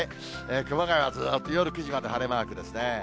熊谷はずーっと夜９時から晴れマークですね。